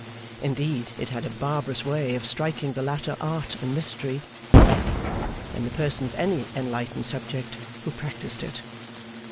Indeed it had a barbarous way of striking the latter art and mystery dead, in the person of any enlightened subject who practised it.